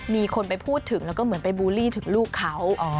มีคนไปพูดถึงแล้วก็เหมือนไปบูลลี่ถึงลูกเขา